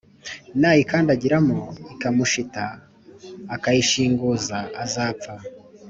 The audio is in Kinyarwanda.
nayikandagiramo ikamushita akayishinguza, azapfa